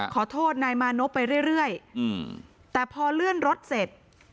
ขอโทษนายมานพไปเรื่อยแต่พอเลื่อนรถเสร็จ